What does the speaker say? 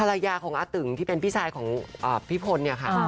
ภรรยาของอาตึงที่เป็นพี่ชายของพี่พลเนี่ยค่ะ